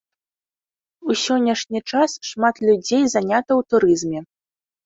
У сённяшні час шмат людзей занята ў турызме.